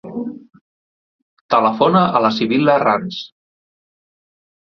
Telefona a la Sibil·la Ranz.